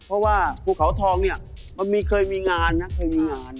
เพราะว่าภูเขาทองมันเคยมีงาน